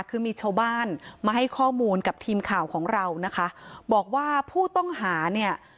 คือมีชาวบ้านมาให้ข้อมูลกับทีมข่าวของเรานะคะบอกว่าผู้ต้องหาเนี่ย